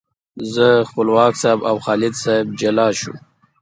زه، خپلواک صاحب او خالد صاحب جلا شوو.